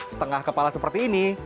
setengah kepala seperti ini